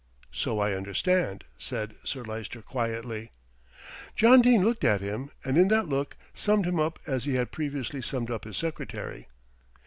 "So I understand," said Sir Lyster quietly. John Dene looked at him, and in that look summed him up as he had previously summed up his secretary.